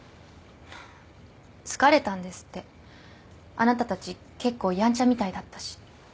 あなたたち結構やんちゃみたいだったし。